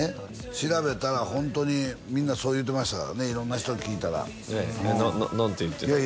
調べたらホントにみんなそう言うてましたからね色んな人に聞いたらえっ何て言ってたんですか？